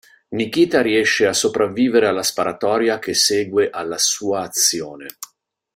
Nikita riesce a sopravvivere alla sparatoria che segue alla sua azione.